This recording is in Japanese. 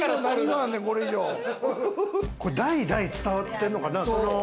代々伝わってんのかな？